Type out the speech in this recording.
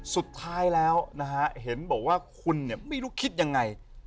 สุดท้ายแล้วนะฮะเห็นบอกว่าคุณเนี่ยไม่รู้คิดยังไง